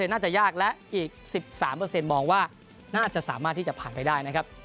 น่าจะยากและอีก๑๓มองว่าน่าจะสามารถที่จะผ่านไปได้นะครับ